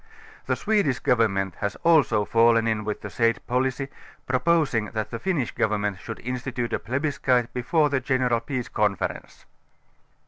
The Swedish Grovernment has also fallen in with the said policy, proposing that the T'innish Government should institute a plebiscite before the general peace conference.